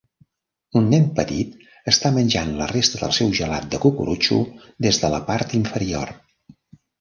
Un nen petit està menjant la resta del seu gelat de cucurutxo des de la part inferior.